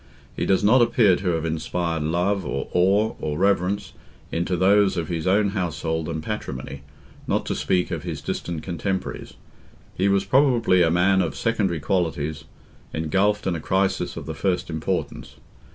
He does not appear to have inspired love, or awe, or reverence, into those of his own household and patrimony, not to speak of his distant cotemporaries. He was probably a man of secondary qualities, engulfed in a crisis of the first importance.